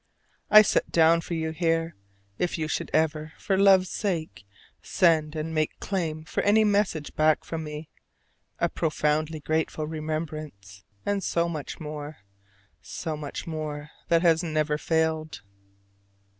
I set down for you here if you should ever, for love's sake, send and make claim for any message back from me a profoundly grateful remembrance; and so much more, so much more that has never failed.